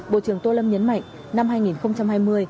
bộ trưởng tô lâm nhấn mạnh năm hai nghìn hai mươi